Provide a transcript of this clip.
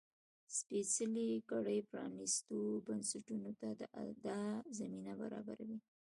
سپېڅلې کړۍ پرانيستو بنسټونو ته دا زمینه برابروي.